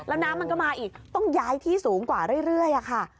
แล้วน้ำมันก็มาอีกต้องย้ายที่สูงกว่าเรื่อยค่ะ